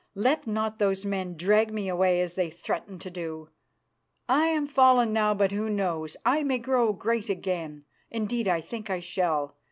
Let not those men drag me away as they threaten to do. I am fallen now, but who knows, I may grow great again; indeed, I think I shall.